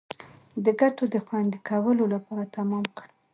د ګټو د خوندي کولو لپاره تمام کړ.